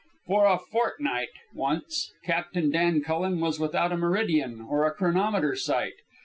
For a fortnight, once, Captain Dan Cullen was without a meridian or a chronometer sight.